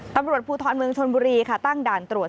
ตำรวจภูทรเมืองชนบุรีค่ะตั้งด่านตรวจ